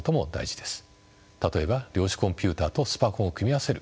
例えば量子コンピュータとスパコンを組み合わせる